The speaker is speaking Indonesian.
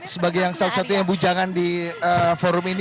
sebagai yang salah satunya bu jangan di forum ini